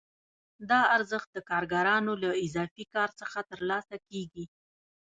دا ارزښت د کارګرانو له اضافي کار څخه ترلاسه کېږي